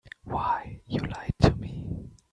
Why, you lied to me.